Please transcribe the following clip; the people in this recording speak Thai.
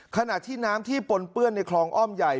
ขณะที่น้ำที่ปนเปื้อนในคลองอ้อมใหญ่